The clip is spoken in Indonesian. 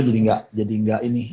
jadi ga ini